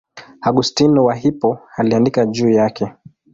Augustino wa Hippo aliandika juu yake.